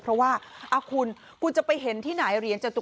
เพราะว่าอ้าวคุณคุณจะไปเห็นที่ไหน